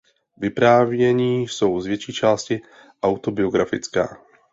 Vyprávění jsou z větší části autobiografická.